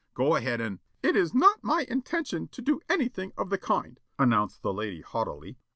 Go ahead and " "It is not my intention to do anything of the kind," announced the lady haughtily.